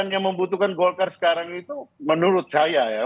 yang membutuhkan golkar sekarang itu menurut saya ya